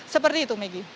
seperti itu megi